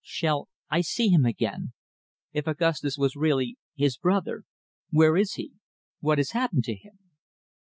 "Shall I see him again? If Augustus was really his brother where is he? What has happened to him?"